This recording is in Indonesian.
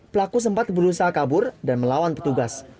pelaku sempat berusaha kabur dan melawan petugas